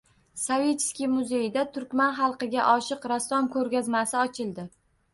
Savitskiy muzeyida turkman xalqiga oshiq rassom ko‘rgazmasi ochildi